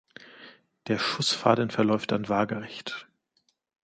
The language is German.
Der schussfaden verläuft dann waagrecht.